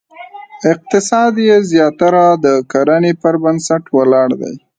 اقتصاد یې زیاتره د کرنې پر بنسټ ولاړ دی.